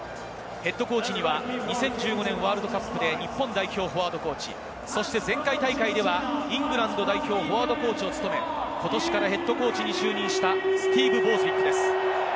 ＨＣには２０１５年ワールドカップで日本代表フォワードコーチ、前回大会ではイングランド代表フォワードコーチを務め、ことしからＨＣに就任した、スティーブ・ボーズウィックです。